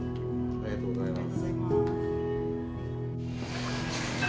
ありがとうございます。